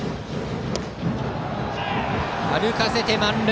歩かせて満塁。